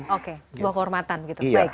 sebuah kehormatan gitu